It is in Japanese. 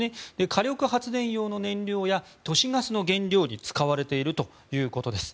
火力発電用の燃料や都市ガスの原料に使われているということです。